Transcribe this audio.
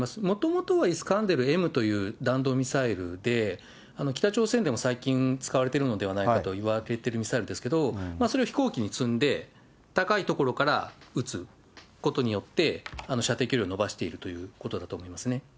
もともとはイスカンデルＭという弾道ミサイルで、北朝鮮でも最近、使われているのではないかといわれてるミサイルですけど、それを飛行機に積んで、高い所から撃つことによって、射程距離を伸ばしているということだと思いますね。